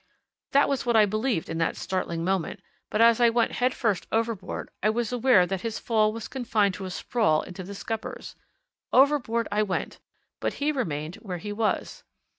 That was what I believed in that startling moment but as I went head first overboard I was aware that his fall was confined to a sprawl into the scuppers. Overboard I went! but he remained where he was.